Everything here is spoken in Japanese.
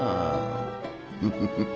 フフフッ。